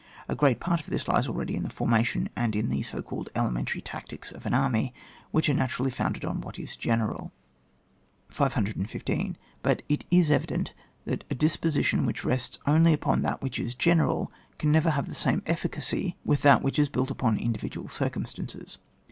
A great part of this lies already in the formation, and in the so called elementary tactics of an army, which are naturally founded only on what is general. 515. But it is evident that a disposi tion which only rests upon that which is general, can never have the same efficacy with that which is built upon individual circumstances.